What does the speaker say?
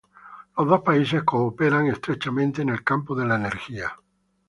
Los dos países cooperan estrechamente en el campo de la energía.